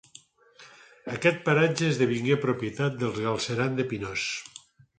Aquest paratge esdevingué propietat dels Galceran de Pinós.